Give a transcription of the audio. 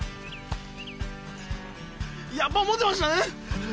やっぱ思ってましたね。